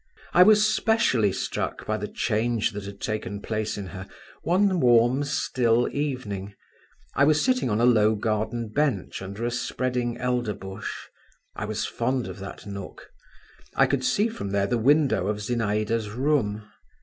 I was specially struck by the change that had taken place in her one warm still evening. I was sitting on a low garden bench under a spreading elderbush; I was fond of that nook; I could see from there the window of Zinaïda's room.